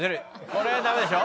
これはダメでしょ！